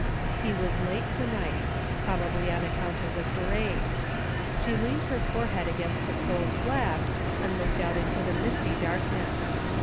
He was late to night, probably on account of the parade. She leaned her forehead against the cold glass and looked out into the misty darkness.